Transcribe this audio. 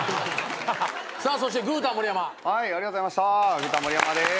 グータン森山です。